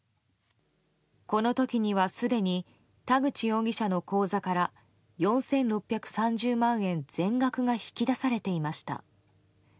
この時にはすでに田口容疑者の口座から４６３０万円全額が引き出されていました。